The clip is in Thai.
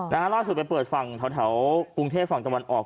ล่าสุดไปเปิดฝั่งแถวกรุงเทพฝั่งตะวันออก